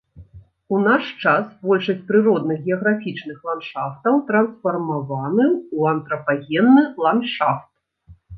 У наш час большасць прыродных геаграфічных ландшафтаў трансфармаваны ў антрапагенны ландшафт.